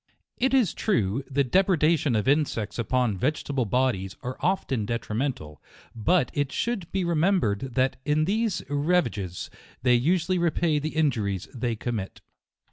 It is true, the depredation of insects upon vegetable bodies are often detrimental ; but it should be remembered that in these rava ges, they usually repay the injuries they commit.